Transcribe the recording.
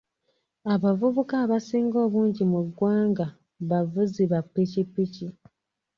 Abavubuka abasinga obungi mu ggwanga bavuzi ba pikipiki.